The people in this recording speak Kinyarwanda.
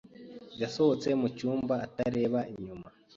yasohotse mucyumba atareba inyuma.